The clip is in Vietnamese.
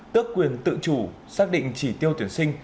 tước quyền tự chủ xác định chỉ tiêu tuyển sinh